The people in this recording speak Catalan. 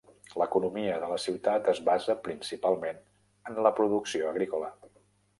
L'economia de la ciutat es basa principalment en la producció agrícola.